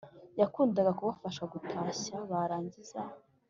yakundaga kubafasha gutashya, barangiza